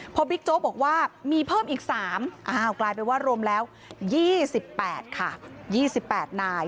พอบิ๊กโจ๊กบอกว่ามีเพิ่มอีก๓กลายเป็นว่ารวมแล้ว๒๘ค่ะ๒๘นาย